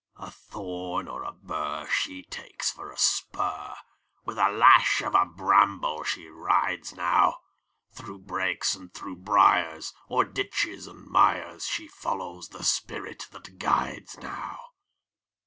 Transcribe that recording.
A thorn or a bur She takes for a spur; With a lash of a bramble she rides now, Through brakes and through briars, O'er ditches and mires, She follows the spirit that guides now.